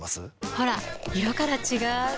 ほら色から違う！